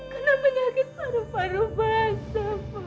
kena penyakit paru paru basah pak